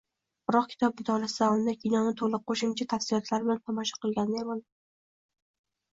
Biroq kitob mutolaasi davomida kinoni toʻliq, qoʻshimcha tafsilotlari bilan tomosha qilganday boʻldim